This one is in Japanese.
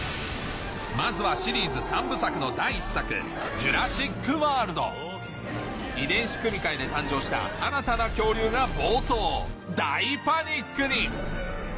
まずはシリーズ３部作の第１作遺伝子組み換えで誕生した新たな恐竜が暴走大パニックに！